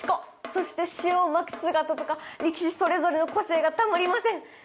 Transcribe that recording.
そして塩をまく姿とか力士それぞれの個性がたまりませんそれに。